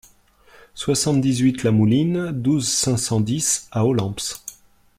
soixante-dix-huit la Mouline, douze, cinq cent dix à Olemps